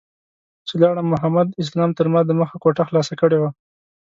چې لاړم محمد اسلام تر ما دمخه کوټه خلاصه کړې وه.